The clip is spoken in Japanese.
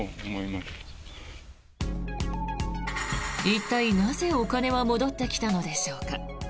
一体なぜお金は戻ってきたのでしょうか。